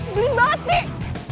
bering banget sih